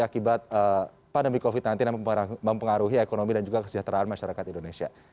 akibat pandemi covid sembilan belas yang mempengaruhi ekonomi dan juga kesejahteraan masyarakat indonesia